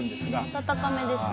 暖かめですね。